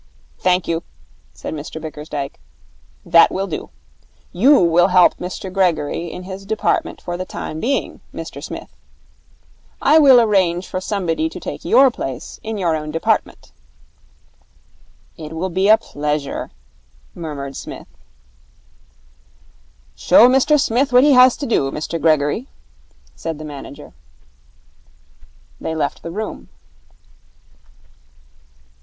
'Thank you,' said Mr Bickersdyke. 'That will do. You will help Mr Gregory in his department for the time being, Mr Smith. I will arrange for somebody to take your place in your own department.' 'It will be a pleasure,' murmured Psmith. 'Show Mr Smith what he has to do, Mr Gregory,' said the manager. They left the room.